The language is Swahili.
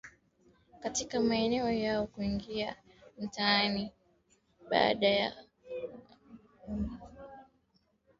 katika maeneo yao kuingia mtaani baada tu ya maandalizi ya kombe la dunia